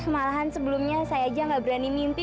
malahan sebelumnya saya aja gak berani mimpi